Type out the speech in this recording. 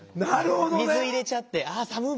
水入れちゃって「あっ寒っ！」